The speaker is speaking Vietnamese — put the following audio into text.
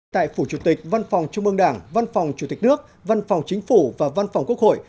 tại phủ chủ tịch văn phòng trung ương đảng văn phòng chủ tịch nước văn phòng chính phủ và văn phòng quốc hội